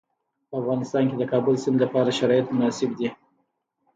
په افغانستان کې د کابل سیند لپاره شرایط مناسب دي.